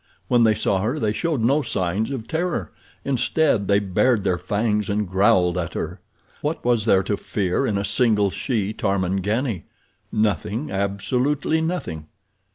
When they saw her they showed no signs of terror. Instead they bared their fangs and growled at her. What was there to fear in a single she Tarmangani? Nothing, absolutely nothing.